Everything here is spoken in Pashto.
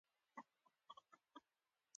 ساده ماشین څه شی دی؟